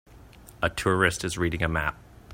A tourist is reading a map.